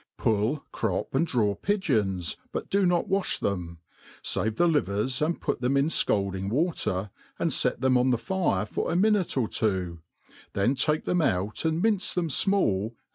. PULL, crt>p, and draw pigeons, but do not waih them ; fave the Hvers and put them in icalding water, and fet them on the fire for a minute or two : then take them out and mince them fmall, and.